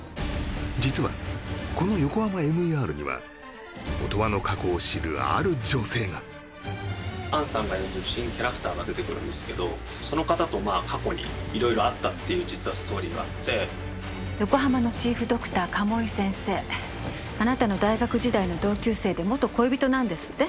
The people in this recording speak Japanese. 実はこのＹＯＫＯＨＡＭＡＭＥＲには音羽の過去を知るある女性がが出てくるんですけどその方とまあっていう実はストーリーがあってＹＯＫＯＨＡＭＡのチーフドクター鴨居先生あなたの大学時代の同級生で元恋人なんですって？